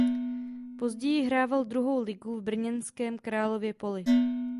Později hrával druhou ligu v brněnském Králově Poli.